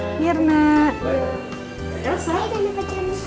selamat tinggal nih pacarnya